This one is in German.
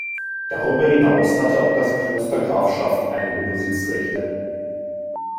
Darüber hinaus hatte auch das Kloster Grafschaft einige Besitzrechte.